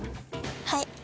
はい。